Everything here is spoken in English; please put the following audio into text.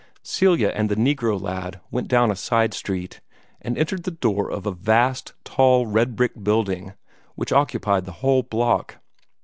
Celia and the negro lad went down a side street, and entered the door of a vast, tall red brick building which occupied the whole block.